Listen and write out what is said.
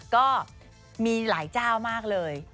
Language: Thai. ก็มีหลายเจ้ามากเลย